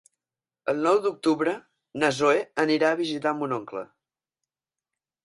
El nou d'octubre na Zoè anirà a visitar mon oncle.